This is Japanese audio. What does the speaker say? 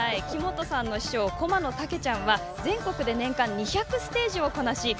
木本さんの師匠こまのたけちゃんは全国で年間２００ステージをこなし